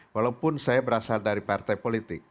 walaupun saya berasal dari partai politik